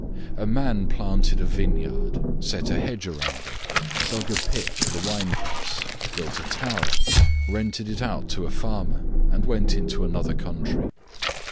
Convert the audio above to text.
"A man planted a vineyard, put a hedge around it, dug a pit for the winepress, built a tower, rented it out to a farmer, and went into another country.